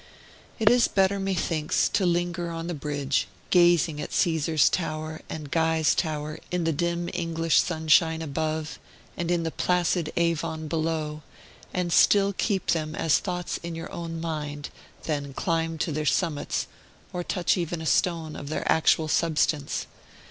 It is better, methinks, to linger on the bridge, gazing at Caesar's Tower and Guy's Tower in the dim English sunshine above, and in the placid Avon below, and still keep them as thoughts in your own mind, than climb to their summits, or touch even a stone of their actual substance.